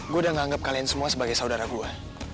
gue udah gak anggap kalian semua sebagai saudara gue